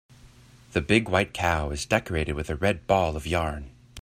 The big white cow is decorated with a red ball of yarn.